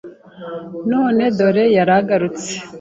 None dore yaragarutse